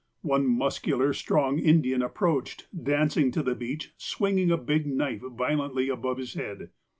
One muscular, strong Indian approached, dancing to the beach, swinging a big knife violently above his head.